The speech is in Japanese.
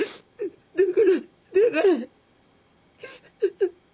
だからだから。